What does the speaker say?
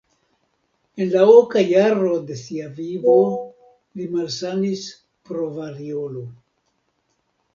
En la oka jaro de sia vivo li malsanis pro variolo.